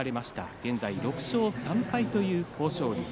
現在６勝３敗という豊昇龍。